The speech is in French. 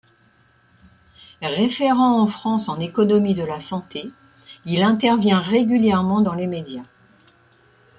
Référent en France en économie de la santé, il intervient régulièrement dans les médias.